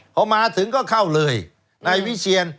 เขามาถึงก็เข้าเลย